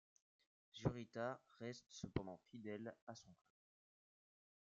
Zurita reste cependant fidèle à son club.